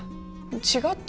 違った？